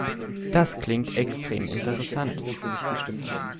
Das klingt extrem interessant.